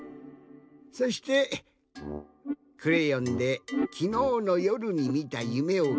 そしてクレヨンできのうのよるにみたゆめをかいてみました。